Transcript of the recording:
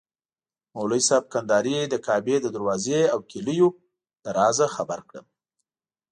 مولوي صاحب کندهاري د کعبې د دروازې او کیلیو له رازه خبر کړم.